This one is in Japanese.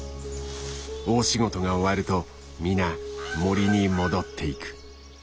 大仕事が終わると皆森に戻っていく。